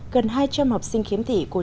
gần hai trăm linh học sinh khiếm thị